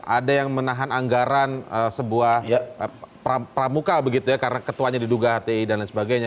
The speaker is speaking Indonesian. ada yang menahan anggaran sebuah pramuka begitu ya karena ketuanya diduga hti dan lain sebagainya